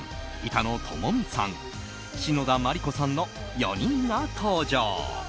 板野友美さん、篠田麻里子さんの４人が登場。